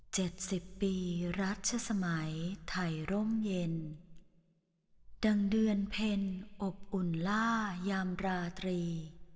สิบปีรัชสมัยไทยร่มเย็นดังเดือนเพ็ญอบอุ่นล่ายามราตรี